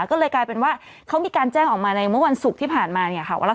ก็เลยกลายเป็นว่าเขามีการแจ้งออกมาในเมื่อวันศุกร์ที่ผ่านมาเนี่ยค่ะ